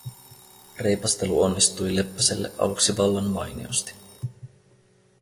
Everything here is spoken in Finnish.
Reipastelu onnistui Leppäselle aluksi vallan mainiosti.